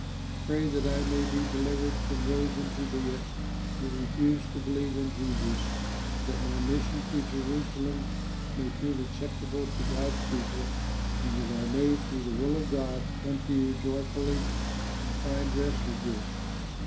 Pray that I may be delivered from those in Judea who refuse to believe in Jesus, that my mission to Jerusalem may prove acceptable to God's people, and that I may through the will of God come to you joyfully and find rest with you.